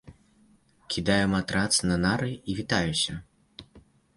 Кідаю матрац на нары і вітаюся.